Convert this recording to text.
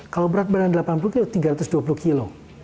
kalau berat badan delapan puluh kilo tiga ratus dua puluh kilo